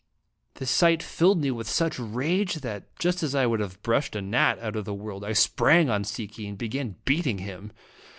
The sight filled me with such rage, that, just as I would have brushed a gnat out of the world, I sprang on Si ki and began beating him.